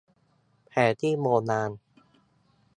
แผนที่โบราณ